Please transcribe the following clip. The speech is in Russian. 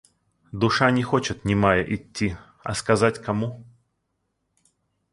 Душа не хочет немая идти, а сказать кому?